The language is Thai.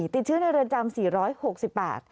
ติดเชื้อในเรือนจำ๔๖๘